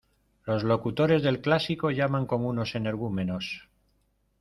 Los locutores del clásico llaman como unos energúmenos.